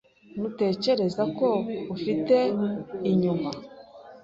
Ntutekereza ko ufite inyuma?